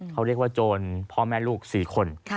เขาเรียกว่าโจรพ่อแม่ลูก๔คน